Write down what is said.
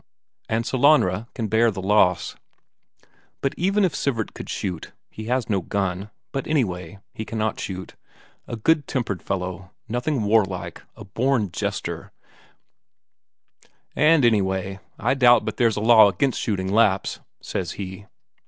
And Sellanraa can bear the loss. And even if Sivert could shoot, he has no gun, but anyway, he cannot shoot; a good tempered fellow, nothing warlike; a born jester: "And, anyway, I doubt but there's a law against shooting Lapps," says he.